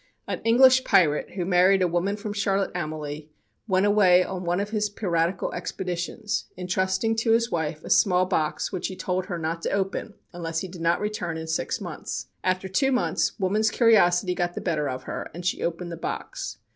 An English pirate who married a woman from Charlotte Amalie went away on one of his piratical expeditions, entrusting to his wife a small box which he told her not to open unless he did not return in six months. After two months, woman's curiosity got the better of her and she opened the box.